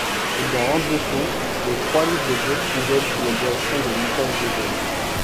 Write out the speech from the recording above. Dans l'entre-deux-tours, les trois listes de gauche fusionnent sous la direction de Michel Vauzelle.